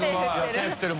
手振ってる。